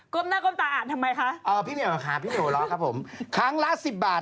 โกรธหน้ากล้อมตาอ่านทำไมคะพี่เหนียวหรอกครับครั้งละ๑๐บาท